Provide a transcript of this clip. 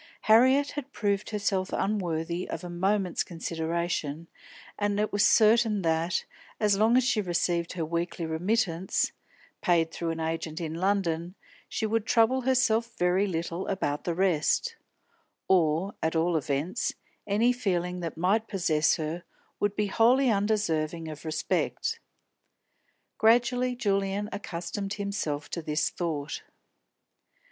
Harriet had proved herself unworthy of a moment's consideration, and it was certain that, as long as she received her weekly remittance paid through an agent in London, she would trouble herself very little about the rest; or, at all events, any feeling that might possess her would be wholly undeserving of respect. Gradually Julian accustomed himself to this thought.